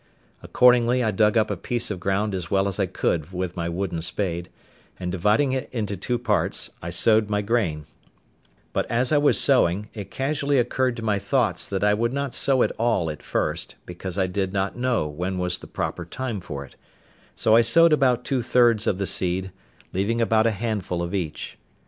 Accordingly, I dug up a piece of ground as well as I could with my wooden spade, and dividing it into two parts, I sowed my grain; but as I was sowing, it casually occurred to my thoughts that I would not sow it all at first, because I did not know when was the proper time for it, so I sowed about two thirds of the seed, leaving about a handful of each.